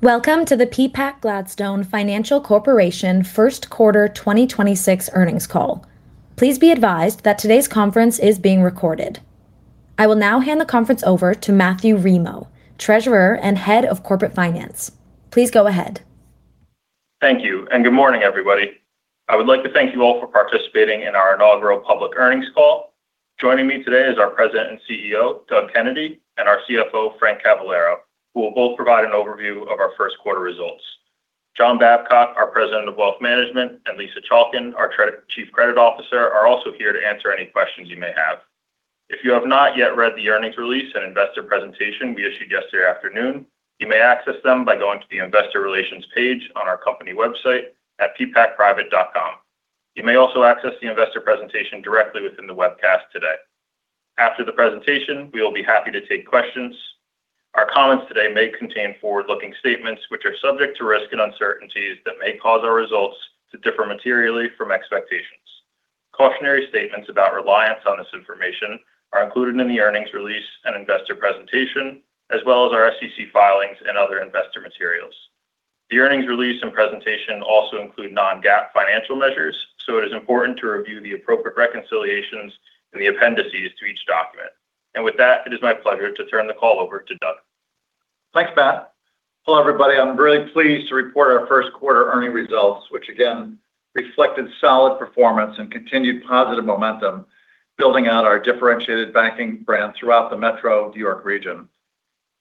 Welcome to the Peapack-Gladstone Financial Corporation first quarter 2026 earnings call. Please be advised that today's conference is being recorded. I will now hand the conference over to Matthew Remo, Treasurer and Head of Corporate Finance. Please go ahead. Thank you, and good morning, everybody. I would like to thank you all for participating in our inaugural public earnings call. Joining me today is our President and CEO, Doug Kennedy, and our CFO, Frank Cavallaro, who will both provide an overview of our first quarter results. John Babcock, our President of Wealth Management, and Lisa Chalkan, our Chief Credit Officer, are also here to answer any questions you may have. If you have not yet read the earnings release and investor presentation we issued yesterday afternoon, you may access them by going to the investor relations page on our company website at peapackprivate.com. You may also access the investor presentation directly within the webcast today. After the presentation, we will be happy to take questions. Our comments today may contain forward-looking statements which are subject to risk and uncertainties that may cause our results to differ materially from expectations. Cautionary statements about reliance on this information are included in the earnings release and investor presentation, as well as our SEC filings and other investor materials. The earnings release and presentation also include non-GAAP financial measures, so it is important to review the appropriate reconciliations in the appendices to each document. With that, it is my pleasure to turn the call over to Doug. Thanks, Matt. Hello, everybody. I'm really pleased to report our first quarter earnings results, which again reflected solid performance and continued positive momentum, building out our differentiated banking brand throughout the metro New York region.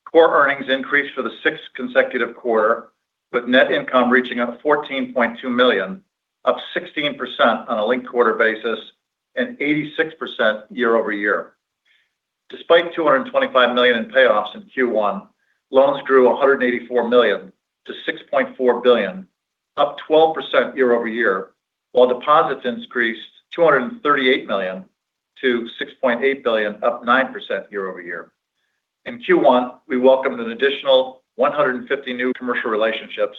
Core earnings increased for the sixth consecutive quarter, with net income reaching up to $14.2 million, up 16% on a linked-quarter basis and 86% year-over-year. Despite $225 million in payoffs in Q1, loans grew $184 million to $6.4 billion, up 12% year-over-year, while deposits increased $238 million to $6.8 billion, up 9% year-over-year. In Q1, we welcomed an additional 150 new commercial relationships,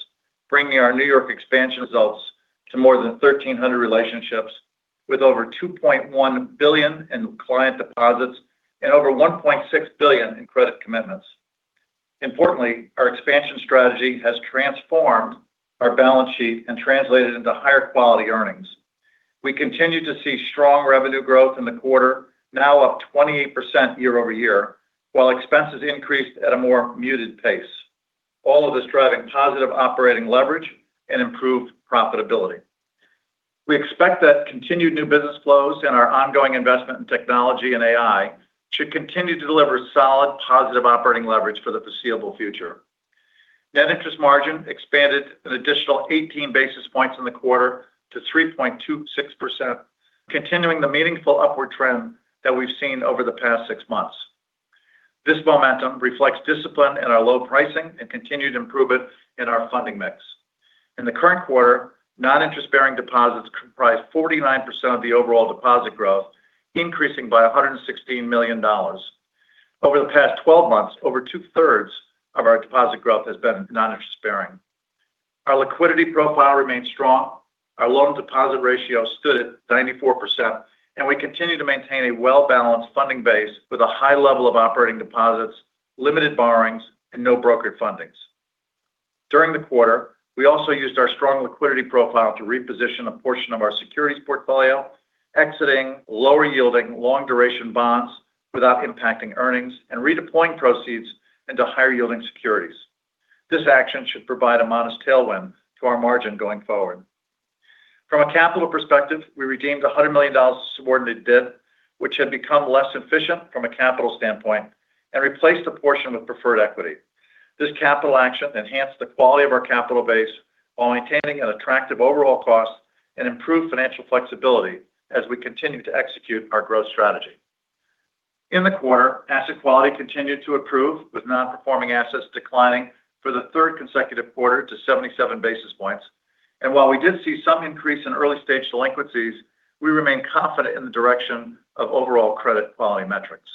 bringing our New York expansion results to more than 1,300 relationships with over $2.1 billion in client deposits and over $1.6 billion in credit commitments. Importantly, our expansion strategy has transformed our balance sheet and translated into higher quality earnings. We continue to see strong revenue growth in the quarter, now up 28% year-over-year, while expenses increased at a more muted pace. All of this driving positive operating leverage and improved profitability. We expect that continued new business flows and our ongoing investment in technology and AI should continue to deliver solid, positive operating leverage for the foreseeable future. Net interest margin expanded an additional 18 basis points in the quarter to 3.26%, continuing the meaningful upward trend that we've seen over the past six months. This momentum reflects discipline in our low pricing and continued improvement in our funding mix. In the current quarter, non-interest-bearing deposits comprised 49% of the overall deposit growth, increasing by $116 million. Over the past 12 months, over two-thirds of our deposit growth has been non-interest-bearing. Our liquidity profile remains strong. Our loan deposit ratio stood at 94%, and we continue to maintain a well-balanced funding base with a high level of operating deposits, limited borrowings, and no brokered fundings. During the quarter, we also used our strong liquidity profile to reposition a portion of our securities portfolio, exiting lower-yielding, long-duration bonds without impacting earnings and redeploying proceeds into higher-yielding securities. This action should provide a modest tailwind to our margin going forward. From a capital perspective, we redeemed $100 million of subordinate debt, which had become less efficient from a capital standpoint, and replaced a portion with preferred equity. This capital action enhanced the quality of our capital base while maintaining an attractive overall cost and improved financial flexibility as we continue to execute our growth strategy. In the quarter, asset quality continued to improve, with non-performing assets declining for the third consecutive quarter to 77 basis points. While we did see some increase in early-stage delinquencies, we remain confident in the direction of overall credit quality metrics.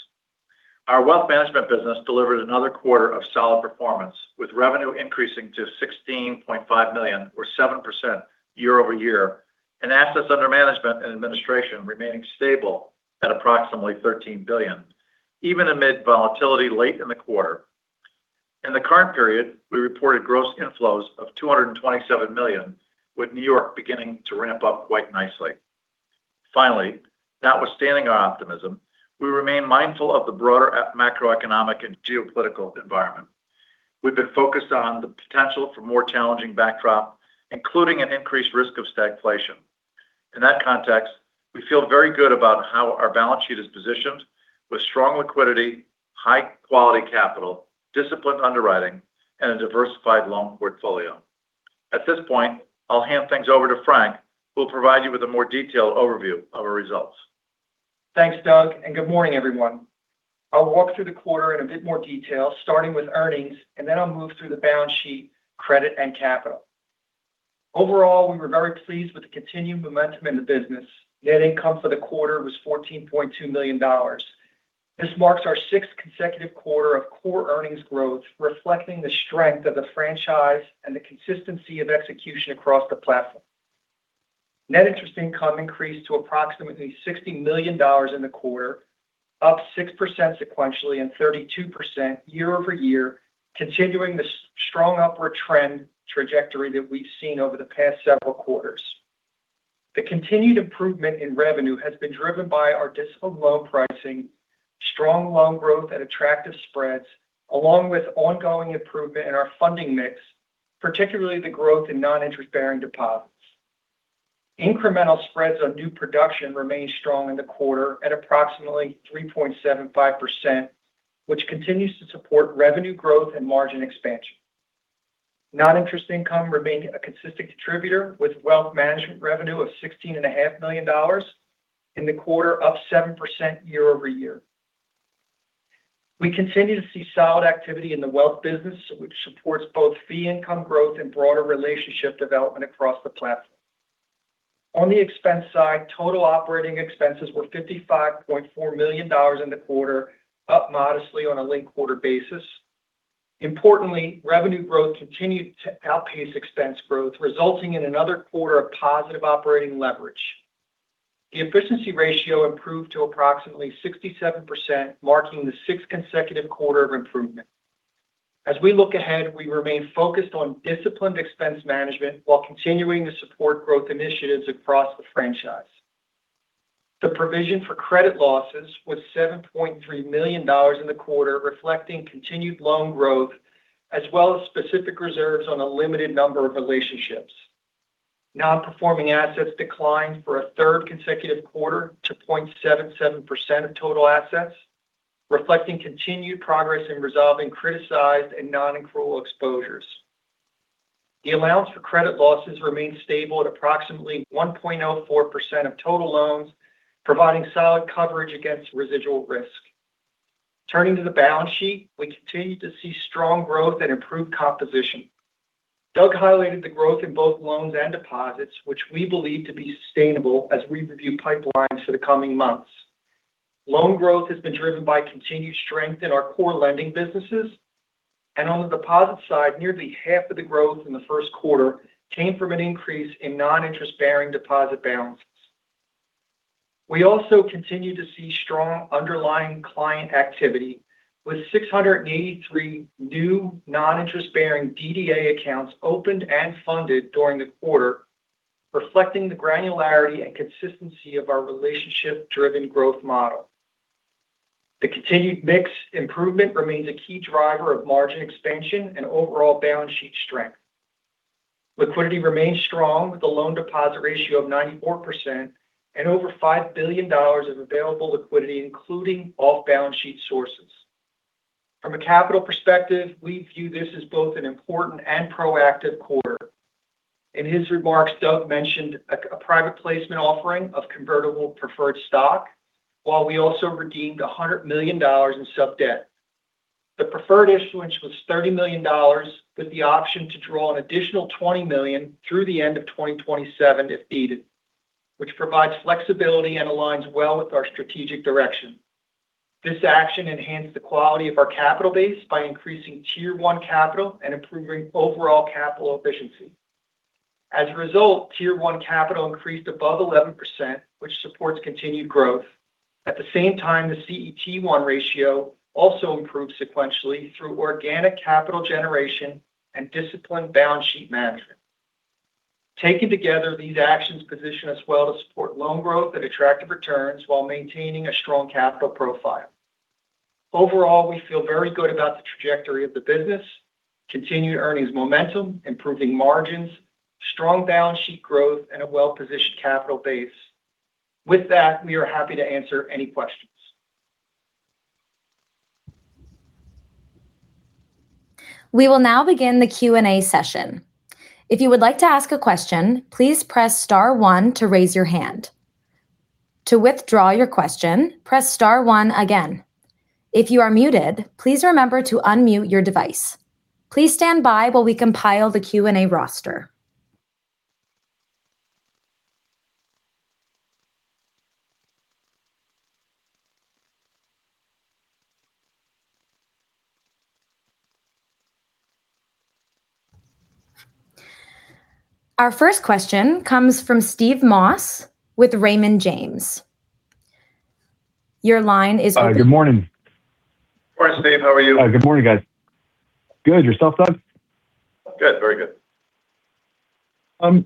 Our wealth management business delivered another quarter of solid performance, with revenue increasing to $16.5 million or 7% year-over-year, and assets under management and administration remaining stable at approximately $13 billion, even amid volatility late in the quarter. In the current period, we reported gross inflows of $227 million, with New York beginning to ramp up quite nicely. Finally, notwithstanding our optimism, we remain mindful of the broader macroeconomic and geopolitical environment. We've been focused on the potential for a more challenging backdrop, including an increased risk of stagflation. In that context, we feel very good about how our balance sheet is positioned with strong liquidity, high-quality capital, disciplined underwriting, and a diversified loan portfolio. At this point, I'll hand things over to Frank, who will provide you with a more detailed overview of our results. Thanks, Doug, and good morning, everyone. I'll walk through the quarter in a bit more detail, starting with earnings, and then I'll move through the balance sheet, credit, and capital. Overall, we were very pleased with the continued momentum in the business. Net income for the quarter was $14.2 million. This marks our sixth consecutive quarter of core earnings growth, reflecting the strength of the franchise and the consistency of execution across the platform. Net interest income increased to approximately $60 million in the quarter, up 6% sequentially and 32% year-over-year, continuing the strong upward trend trajectory that we've seen over the past several quarters. The continued improvement in revenue has been driven by our disciplined loan pricing, strong loan growth at attractive spreads, along with ongoing improvement in our funding mix, particularly the growth in non-interest-bearing deposits. Incremental spreads on new production remained strong in the quarter at approximately 3.75%, which continues to support revenue growth and margin expansion. Non-interest income remained a consistent contributor, with wealth management revenue of $16.5 million in the quarter, up 7% year-over-year. We continue to see solid activity in the wealth business, which supports both fee income growth and broader relationship development across the platform. On the expense side, total operating expenses were $55.4 million in the quarter, up modestly on a linked-quarter basis. Importantly, revenue growth continued to outpace expense growth, resulting in another quarter of positive operating leverage. The efficiency ratio improved to approximately 67%, marking the sixth consecutive quarter of improvement. As we look ahead, we remain focused on disciplined expense management while continuing to support growth initiatives across the franchise. The provision for credit losses was $7.3 million in the quarter, reflecting continued loan growth as well as specific reserves on a limited number of relationships. Non-performing assets declined for a third consecutive quarter to 0.77% of total assets, reflecting continued progress in resolving criticized and non-accrual exposures. The allowance for credit losses remained stable at approximately 1.04% of total loans, providing solid coverage against residual risk. Turning to the balance sheet, we continue to see strong growth and improved composition. Doug highlighted the growth in both loans and deposits, which we believe to be sustainable as we review pipelines for the coming months. Loan growth has been driven by continued strength in our core lending businesses. On the deposit side, nearly half of the growth in the first quarter came from an increase in non-interest-bearing deposit balances. We also continue to see strong underlying client activity with 683 new non-interest-bearing DDA accounts opened and funded during the quarter, reflecting the granularity and consistency of our relationship-driven growth model. The continued mix improvement remains a key driver of margin expansion and overall balance sheet strength. Liquidity remains strong, with a loan deposit ratio of 94% and over $5 billion of available liquidity, including off-balance-sheet sources. From a capital perspective, we view this as both an important and proactive quarter. In his remarks, Doug mentioned a private placement offering of convertible preferred stock, while we also redeemed $100 million in sub-debt. The preferred issuance was $30 million, with the option to draw an additional $20 million through the end of 2027 if needed, which provides flexibility and aligns well with our strategic direction. This action enhanced the quality of our capital base by increasing Tier 1 capital and improving overall capital efficiency. As a result, Tier 1 capital increased above 11%, which supports continued growth. At the same time, the CET1 ratio also improved sequentially through organic capital generation and disciplined balance sheet management. Taken together, these actions position us well to support loan growth and attractive returns while maintaining a strong capital profile. Overall, we feel very good about the trajectory of the business, continued earnings momentum, improving margins, strong balance sheet growth, and a well-positioned capital base. With that, we are happy to answer any questions. We will now begin the Q&A session. If you would like to ask a question, please press star one to raise your hand. To withdraw your question, press star one again. If you are muted, please remember to unmute your device. Please stand by while we compile the Q&A roster. Our first question comes from Steve Moss with Raymond James. Your line is open. Hi, good morning. Morning, Steve. How are you? Good morning, guys. Good. Yourself, Doug? Good. Very good.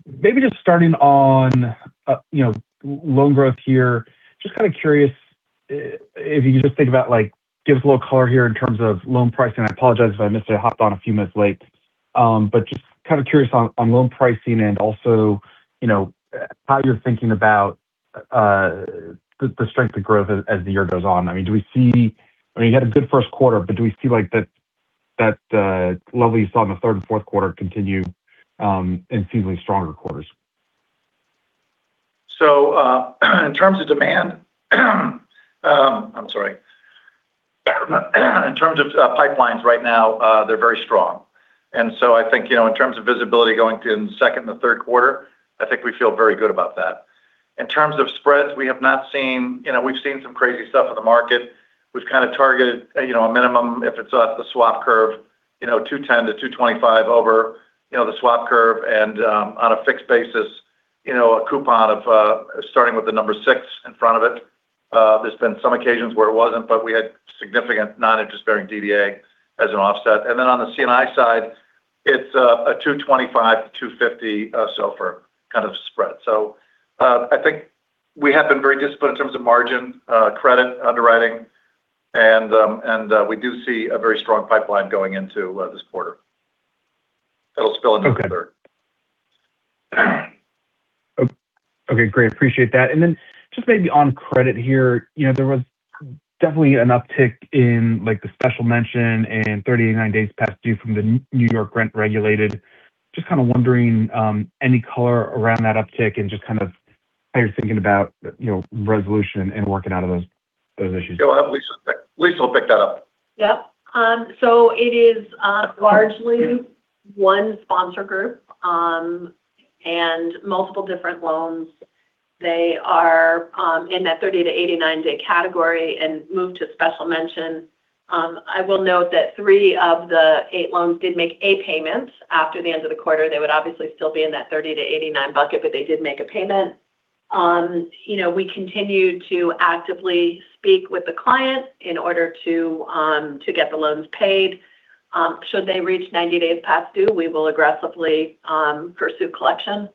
Maybe just starting on loan growth here. Just kind of curious if you could just give us a little color here in terms of loan pricing. I apologize if I missed it. I hopped on a few minutes late. Just kind of curious on loan pricing and also how you're thinking about the strength of growth as the year goes on. You had a good first quarter, but do we see that what we saw in the third and fourth quarter continue in seemingly stronger quarters? In terms of pipelines right now, they're very strong. I think, in terms of visibility going in second and the third quarter, I think we feel very good about that. In terms of spreads, we've seen some crazy stuff in the market. We've kind of targeted, a minimum, if it's off the swap curve, 210-225 over the swap curve. On a fixed basis, a coupon of starting with the number six in front of it. There's been some occasions where it wasn't, but we had significant non-interest-bearing DDA as an offset. On the C&I side, it's a 225-250 SOFR kind of spread. I think we have been very disciplined in terms of margin, credit underwriting and we do see a very strong pipeline going into this quarter. That will spill into the third. Okay. Okay, great. Appreciate that. Just maybe on credit here, there was definitely an uptick in the special mention and 30-89days past due from the New York rent-regulated. Just kind of wondering any color around that uptick and just how you're thinking about resolution and working out of those issues? Go ahead, Lisa. Lisa will pick that up. Yep. It is largely one sponsor group, and multiple different loans. They are in that 30-89 day category and moved to special mention. I will note that three of the eight loans did make a payment after the end of the quarter. They would obviously still be in that 30-89 bucket, but they did make a payment. We continue to actively speak with the client in order to get the loans paid. Should they reach 90 days past due, we will aggressively pursue collection.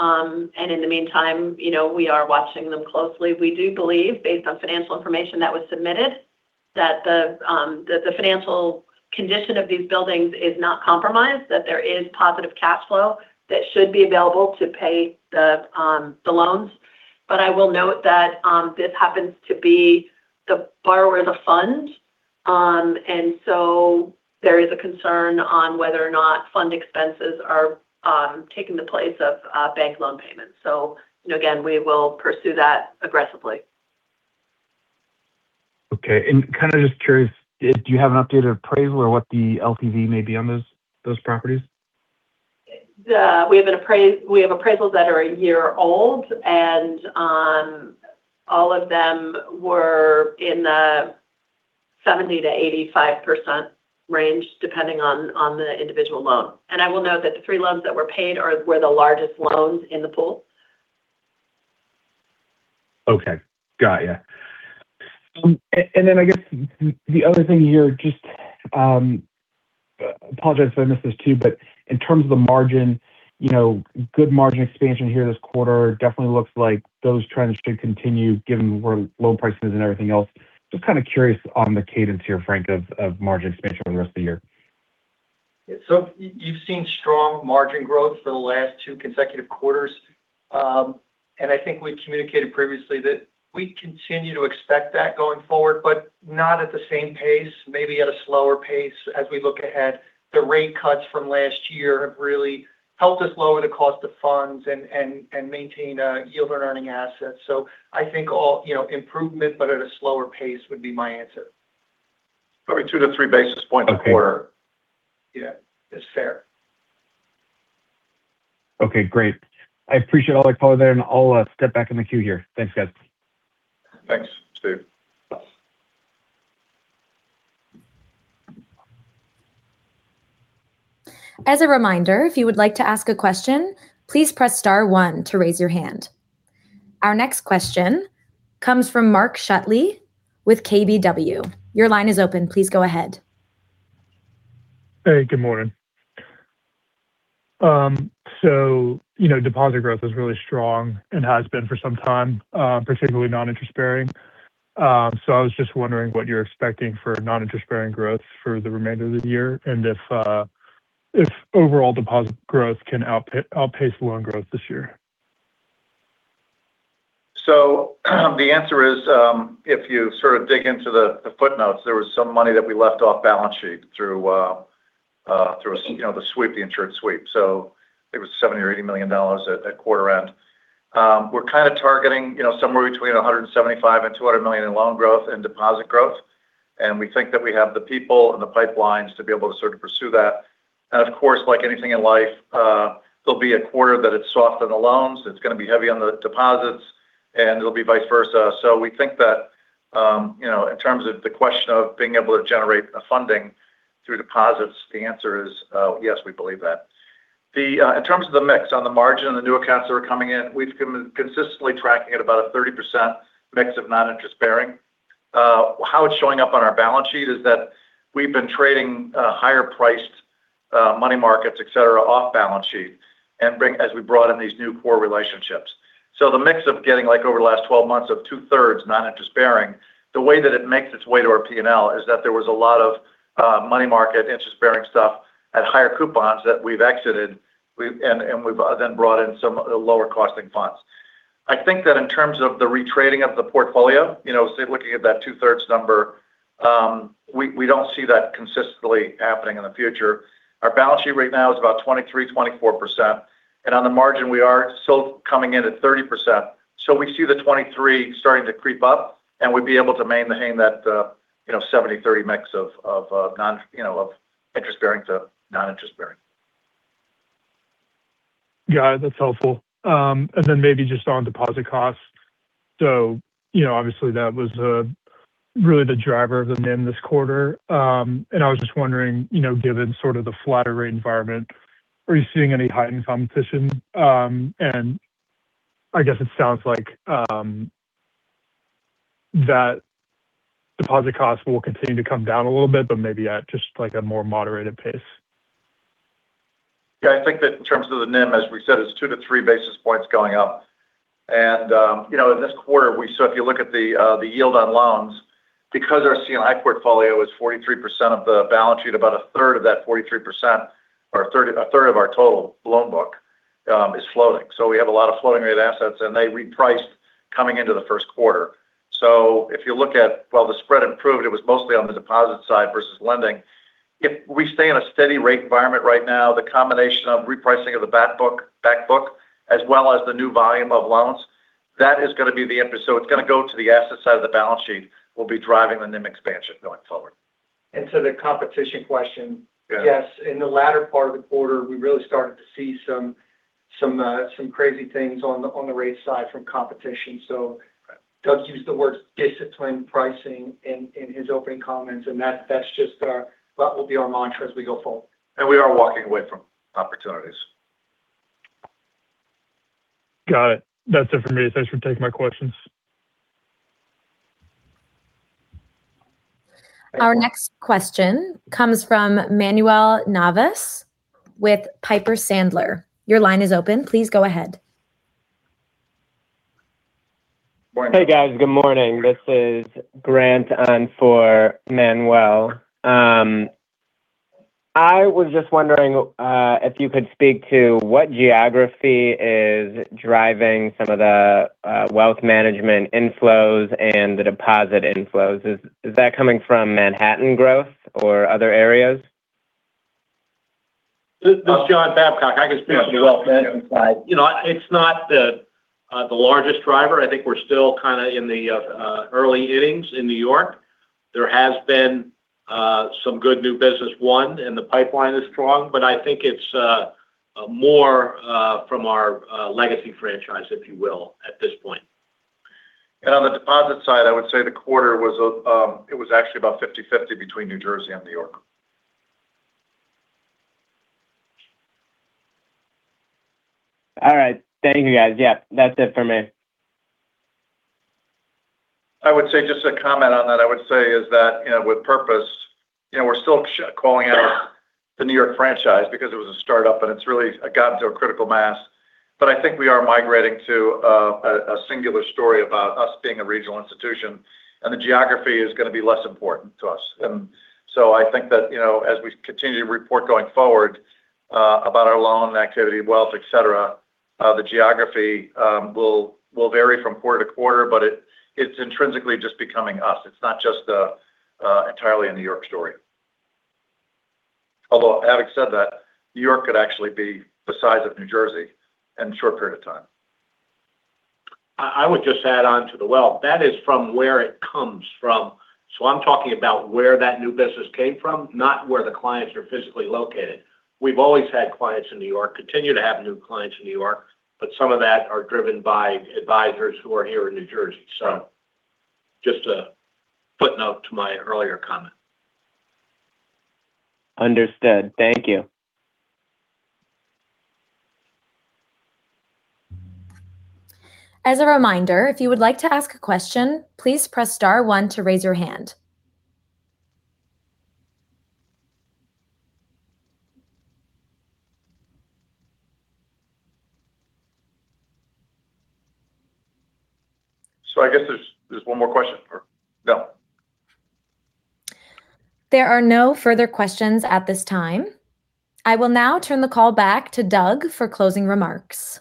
In the meantime, we are watching them closely. We do believe, based on financial information that was submitted, that the financial condition of these buildings is not compromised, that there is positive cash flow that should be available to pay the loans. I will note that this happens to be the borrower of the fund, and so there is a concern on whether or not fund expenses are taking the place of bank loan payments. Again, we will pursue that aggressively. Okay. Kind of just curious, do you have an updated appraisal or what the LTV may be on those properties? We have appraisals that are a year old, and all of them were in the 70%-85% range, depending on the individual loan. I will note that the three loans that were paid were the largest loans in the pool. Okay. Got you. I guess the other thing here, just to apologize if I missed this too, but in terms of the margin, good margin expansion here this quarter. Definitely looks like those trends should continue given where loan pricing is and everything else. Just kind of curious on the cadence here, Frank, of margin expansion for the rest of the year? You've seen strong margin growth for the last two consecutive quarters. I think we've communicated previously that we continue to expect that going forward, but not at the same pace, maybe at a slower pace as we look ahead. The rate cuts from last year have really helped us lower the cost of funds and maintain yield on earning assets. I think improvement but at a slower pace would be my answer. Probably 2-3 basis points a quarter. Okay. Yeah. That's fair. Okay, great. I appreciate all the color there, and I'll step back in the queue here. Thanks, guys. Thanks. See you. As a reminder, if you would like to ask a question, please press star one to raise your hand. Our next question comes from Mark Shutley with KBW. Your line is open. Please go ahead. Hey, good morning. Deposit growth is really strong and has been for some time, particularly non-interest-bearing. I was just wondering what you're expecting for non-interest-bearing growth for the remainder of the year, and if overall deposit growth can outpace loan growth this year. The answer is if you sort of dig into the footnotes, there was some money that we left off balance sheet through the sweep, the insured sweep. It was $70 million or $80 million at quarter end. We're kind of targeting somewhere between $175 million-$200 million in loan growth and deposit growth. We think that we have the people and the pipelines to be able to sort of pursue that. Of course, like anything in life, there'll be a quarter that it's soft on the loans, it's going to be heavy on the deposits, and it'll be vice versa. We think that, in terms of the question of being able to generate a funding through deposits, the answer is yes, we believe that. In terms of the mix on the margin and the new accounts that are coming in, we've been consistently tracking at about a 30% mix of non-interest-bearing. How it's showing up on our balance sheet is that we've been trading higher priced money markets, et cetera, off balance sheet as we brought in these new core relationships. The mix of getting over the last 12 months of 2/3 non-interest-bearing, the way that it makes its way to our P&L is that there was a lot of money market interest-bearing stuff at higher coupons that we've exited, and we've then brought in some lower costing funds. I think that in terms of the retrading of the portfolio, say looking at that 2/3 number, we don't see that consistently happening in the future. Our balance sheet right now is about 23%-24%, and on the margin, we are still coming in at 30%. We see the 23% starting to creep up and we'd be able to maintain that 70/30 mix of interest-bearing to non-interest-bearing. Got it. That's helpful. Maybe just on deposit costs. Obviously, that was really the driver of the NIM this quarter. I was just wondering, given sort of the flatter rate environment, are you seeing any heightened competition? I guess it sounds like that deposit costs will continue to come down a little bit but maybe at just like a more moderated pace. Yeah. I think that in terms of the NIM, as we said, it's 2-3 basis points going up. In this quarter, if you look at the yield on loans, because our C&I portfolio is 43% of the balance sheet, about a third of that 43% or a third of our total loan book is floating. We have a lot of floating-rate assets, and they repriced coming into the first quarter. If you look at while the spread improved, it was mostly on the deposit side versus lending. If we stay in a steady rate environment right now, the combination of repricing of the back book as well as the new volume of loans, that is going to be the input. It's going to go to the asset side of the balance sheet will be driving the NIM expansion going forward. To the competition question. Yeah. Yes. In the latter part of the quarter, we really started to see some crazy things on the rate side from competition. Doug used the word disciplined pricing in his opening comments, and that will be our mantra as we go forward. We are walking away from opportunities. Got it. That's it for me. Thanks for taking my questions. Our next question comes from Manuel Navas with Piper Sandler. Your line is open. Please go ahead. Hey, guys. Good morning. This is Grant on for Manuel. I was just wondering if you could speak to what geography is driving some of the wealth management inflows and the deposit inflows. Is that coming from Manhattan growth or other areas? This is John Babcock. I can speak on the wealth management side. It's not the largest driver. I think we're still kind of in the early innings in New York. There has been some good new business won, and the pipeline is strong, but I think it's more from our legacy franchise, if you will, at this point. On the deposit side, I would say the quarter it was actually about 50/50 between New Jersey and New York. All right. Thank you, guys. Yeah, that's it for me. I would say just a comment on that. I would say is that with purpose, we're still calling out the New York franchise because it was a startup, and it's really gotten to a critical mass. I think we are migrating to a singular story about us being a regional institution, and the geography is going to be less important to us. I think that as we continue to report going forward about our loan activity, wealth, et cetera, the geography will vary from quarter to quarter, but it's intrinsically just becoming us. It's not just entirely a New York story. Although, having said that, New York could actually be the size of New Jersey in a short period of time. I would just add on to the wealth. That is from where it comes from. I'm talking about where that new business came from, not where the clients are physically located. We've always had clients in New York, continue to have new clients in New York, but some of that are driven by advisors who are here in New Jersey. Just a footnote to my earlier comment. Understood. Thank you. As a reminder, if you would like to ask a question, please press star one to raise your hand. I guess there's one more question. No. There are no further questions at this time. I will now turn the call back to Doug for closing remarks.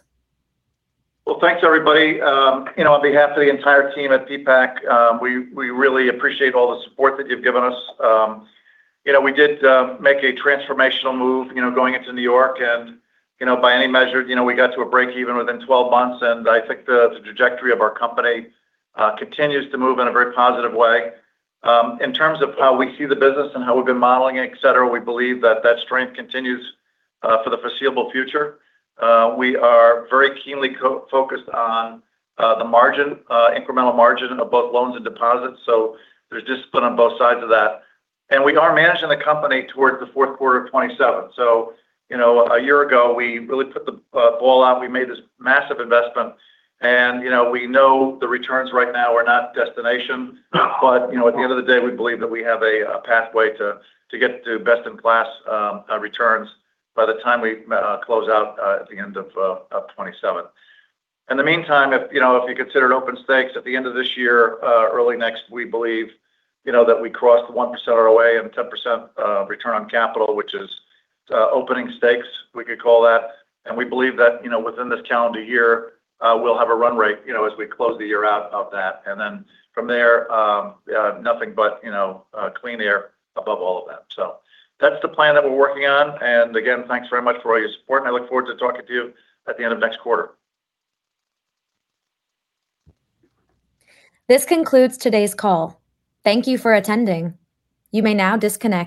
Well, thanks, everybody. On behalf of the entire team at Peapack, we really appreciate all the support that you've given us. We did make a transformational move going into New York, and by any measure, we got to a break even within 12 months, and I think the trajectory of our company continues to move in a very positive way. In terms of how we see the business and how we've been modeling it, et cetera, we believe that that strength continues, for the foreseeable future. We are very keenly focused on the margin, incremental margin of both loans and deposits. There's discipline on both sides of that. We are managing the company towards the fourth quarter of 2027. A year ago, we really put the ball out. We made this massive investment. We know the returns right now are not destination. At the end of the day, we believe that we have a pathway to get to best-in-class returns by the time we close out at the end of 2027. In the meantime, if you consider it open stakes at the end of this year, early next, we believe that we crossed 1% ROA and 10% return on capital, which is open stakes, we could call that. We believe that within this calendar year, we'll have a run rate as we close the year out of that. Then from there, nothing but clean air above all of that. That's the plan that we're working on. Again, thanks very much for all your support, and I look forward to talking to you at the end of next quarter. This concludes today's call. Thank you for attending. You may now disconnect.